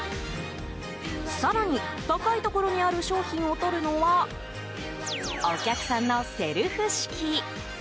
更に高いところにある商品を取るのはお客さんのセルフ式。